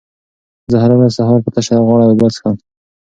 زه هره ورځ سهار په تشه غاړه اوبه څښم.